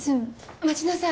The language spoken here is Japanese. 待ちなさい。